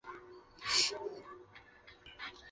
范氏姮是嘉定省新和县新年东村出生。